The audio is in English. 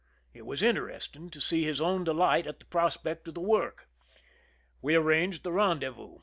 It was interesting to see his own delight at the prospect of the work. We arranged the rendezvous.